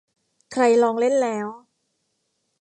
ใครลองเล่นแล้ว